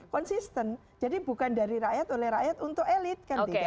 konsisten jadi bukan dari rakyat oleh rakyat untuk elit